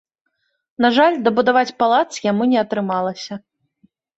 На жаль, дабудаваць палац яму не атрымалася.